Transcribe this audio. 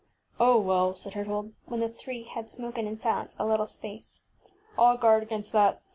ŌĆÖ ŌĆśOh, well, ŌĆÖ said Her thold, when the three had smoked in silence a little space. ŌĆś IŌĆÖll guard against that.